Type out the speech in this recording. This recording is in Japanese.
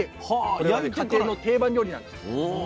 これは家庭の定番料理なんです。